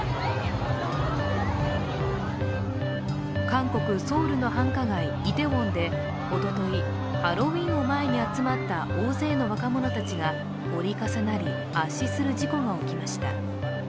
韓国ソウルの繁華街イテウォンでおとといハロウィーンを前に集まった大勢の若者たちが折り重なり圧死する事故が起きました。